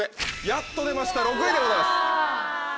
やっと出ました６位でございます。